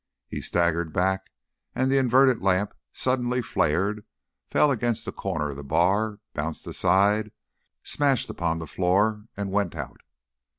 He staggered back, and the inverted lamp suddenly flared, fell against the corner of the bar, bounced aside, smashed upon the floor, and went out.